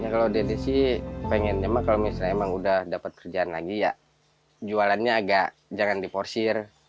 kalau dede sih pengennya mah kalau misalnya emang udah dapat kerjaan lagi ya jualannya agak jangan diporsir